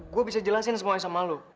gue bisa jelasin semuanya sama lo